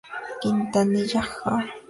Quintanilla Jr.